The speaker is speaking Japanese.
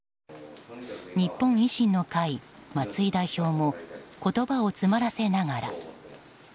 日本維新の会、松井代表も言葉を詰まらせながら。